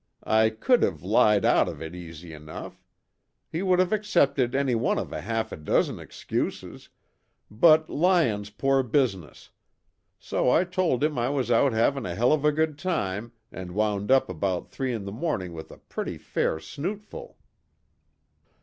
I could have lied out of it easy enough. He would have accepted any one of a half a dozen excuses but lying's poor business so I told him I was out having a hell of a good time and wound up about three in the morning with a pretty fair snootful."